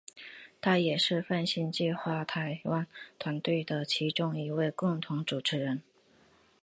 他也是泛星计画台湾团队的其中一位共同主持人。